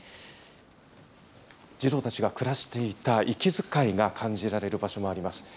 児童たちが暮らしていた息づかいが感じられる場所もあります。